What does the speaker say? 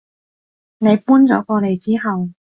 你搬咗過嚟之後